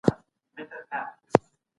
موږ کولای سو د مادي کلتور نمونې وړاندې کړو.